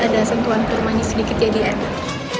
ada sentuhan kurma yang sedikit jadi enak